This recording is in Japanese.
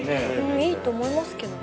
いいと思いますけどね。